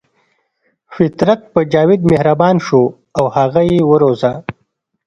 فطرت په جاوید مهربان شو او هغه یې وروزه